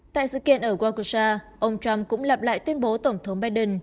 tại sự kiện ở wagusa ông trump cũng lặp lại tuyên bố tổng thống biden